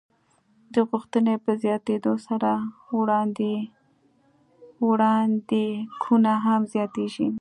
د غوښتنې په زیاتېدو سره وړاندېکونه هم زیاتېږي.